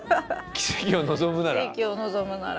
「奇跡を望むなら．．．」。